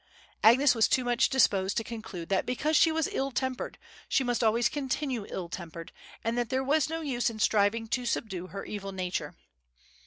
Agnes was too much disposed to conclude that because she was ill tempered she must always continue ill tempered, that there was no use in striving to subdue her evil nature.